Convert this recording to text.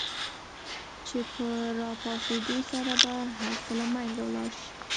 چې په را پاڅېدو سره به هر څه له منځه ولاړ شي.